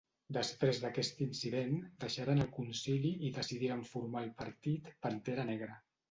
Després d'aquest incident, deixaren el Concili i decidiren formar el Partit Pantera Negra.